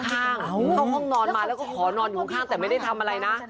เข้าห้องนอนมาแล้วก็ขอนอนอยู่ข้างแต่ไม่ได้ทำอะไรนะ